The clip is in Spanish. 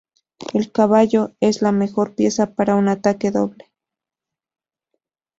El caballo es la mejor pieza para un ataque doble.